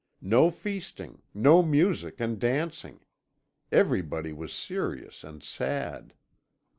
No feasting, no music and dancing; everybody was serious and sad.